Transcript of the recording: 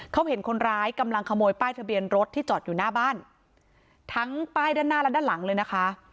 เขาเห็นคนร้ายกำลังขโมยป้ายทะเบียนรถที่จอดอยู่หน้าบ้านทั้งป้ายด้านหน้าและด้านหลังเลยนะคะ